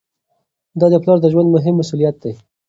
دا د پلار د ژوند مهم مسؤلیت دی.